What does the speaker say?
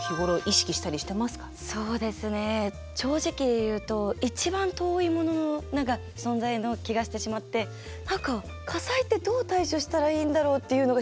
そうですね正直言うと一番遠いものの何か存在の気がしてしまって何か火災ってどう対処したらいいんだろうっていうのが正直な疑問で。